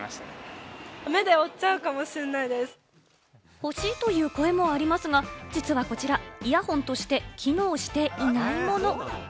欲しいという声もありますが、実はこちら、イヤホンとして機能していないもの。